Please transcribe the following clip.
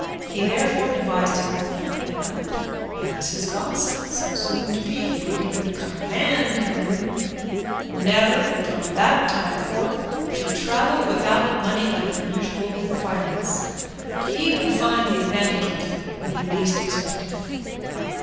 He therefore advised him (and, as his godson so soon to be, he might even command him) never from that time forth to travel without money and the usual requirements, and he would find the advantage of them when he least expected it.